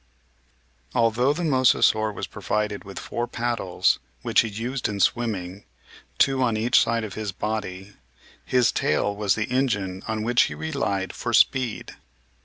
Although the Mosasaur was provided with four paddles, which he used in swimming, two on each side of his body, his tail was the engine on which he relied for speed.